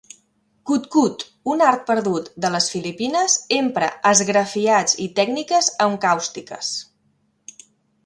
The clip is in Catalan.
Kut-kut, un art perdut de les Filipines, empra esgrafiats i tècniques encàustiques.